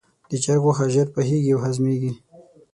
د چرګ غوښه ژر پخیږي او هضمېږي.